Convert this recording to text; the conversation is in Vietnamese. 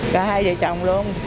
cả hai vợ chồng luôn